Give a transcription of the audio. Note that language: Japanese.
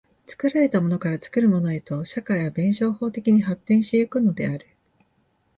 作られたものから作るものへと、社会は弁証法的に進展し行くのである。